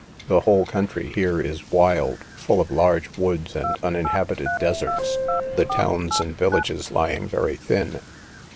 The whole country here is wild, full of large woods and uninhabited deserts, the towns and villages lying very thin.